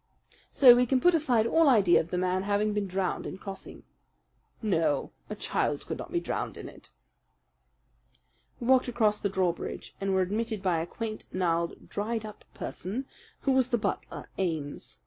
"So we can put aside all idea of the man having been drowned in crossing." "No, a child could not be drowned in it." We walked across the drawbridge, and were admitted by a quaint, gnarled, dried up person, who was the butler, Ames.